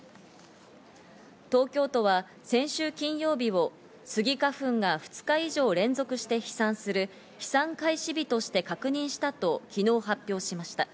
東京都は先週金曜日をスギ花粉が２日以上連続して飛散する飛散開始日として確認したと、昨日発表しました。